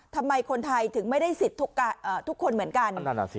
ทำไมคนไทยถึงไม่ได้สิทธิ์ทุกคนเหมือนกัน